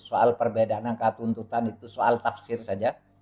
soal perbedaan angka tuntutan itu soal tafsir saja